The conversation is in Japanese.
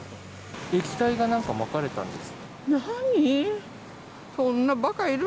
液体がなんかまかれたんです。